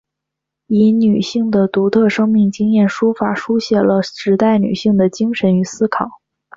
以女性的独特生命经验书法抒写了时代女性的精神和思考。